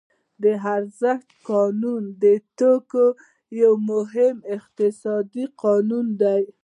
د ارزښت قانون د توکو یو مهم اقتصادي قانون دی